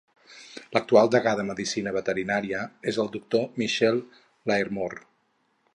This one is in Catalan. L'actual degà de Medicina Veterinària és el doctor Michael Lairmore.